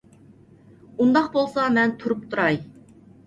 ئۇنداق بولسا مەن تۇرۇپ تۇراي.